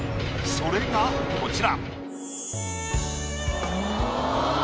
それがこちら。